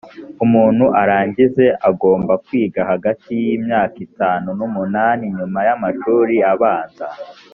umuntu arangize agomba kwiga hagati y imyaka itanu n umunani nyuma y amashuri abanza